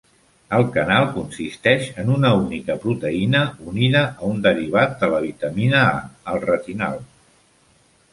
El canal consisteix en una única proteïna unida a un derivat de la vitamina A, el retinal.